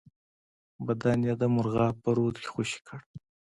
بدن یې د مرغاب په رود کې خوشی کړ.